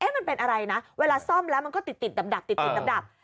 มันเป็นอะไรนะเวลาซ่อมแล้วมันก็ติดดับติดดับ